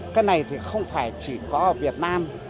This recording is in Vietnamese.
cái này thì không phải chỉ có ở việt nam